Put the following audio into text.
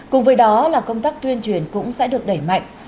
cùng với đó là công tác tuyên truyền cũng sẽ được đẩy mạnh